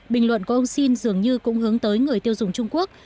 bình luận của ông sin dường như cũng hướng tới người tiêu dùng trung quốc